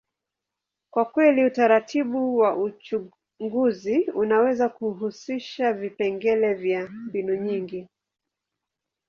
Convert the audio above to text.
kwa kweli, utaratibu wa uchunguzi unaweza kuhusisha vipengele vya mbinu nyingi.